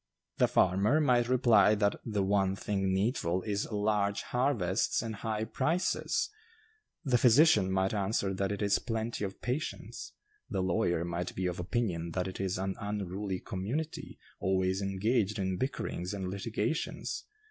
The farmer might reply, that 'the one thing needful is large harvests and high prices.' The physician might answer that 'it is plenty of patients.' The lawyer might be of opinion that 'it is an unruly community, always engaged in bickerings and litigations.